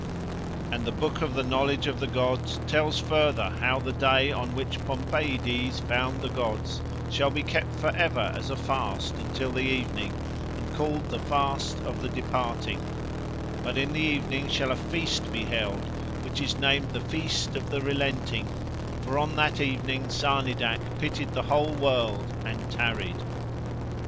And the Book of the Knowledge of the gods tells further how the day on which Pompeides found the gods shall be kept for ever as a fast until the evening and called the Fast of the Departing, but in the evening shall a feast be held which is named the Feast of the Relenting, for on that evening Sarnidac pitied the whole world and tarried.